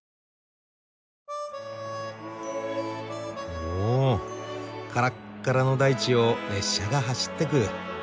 おからっからの大地を列車が走ってく。